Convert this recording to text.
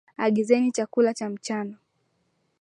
Agizeni chakula cha mchana.